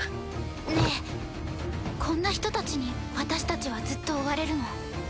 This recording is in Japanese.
ねえこんな人たちに私たちはずっと追われるの？